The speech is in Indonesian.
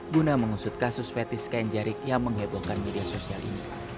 guna mengusut kasus fetis kain jarik yang menghebohkan media sosial ini